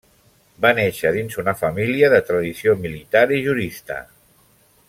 Va néixer dins una família de tradició militar i jurista.